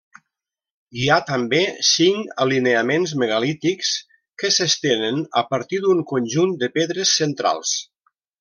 Hi ha també cinc alineaments megalítics que s'estenen a partir d'un conjunt de pedres centrals.